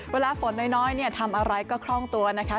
เวลาฝนน้อยทำอะไรก็คล่องตัวนะคะ